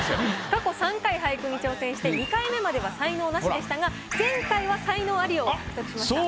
過去３回俳句に挑戦して２回目までは才能ナシでしたが前回は才能アリを獲得しました。